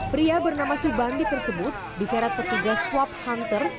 pria bernama subandi tersebut diseret petugas swab hunter